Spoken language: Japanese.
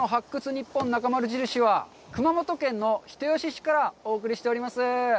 ニッポンなかまる印」は熊本県の人吉市からお送りしています。